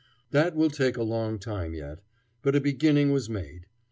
That will take a long time yet. But a beginning was made.